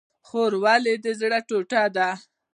خور ولې د زړه ټوټه ده؟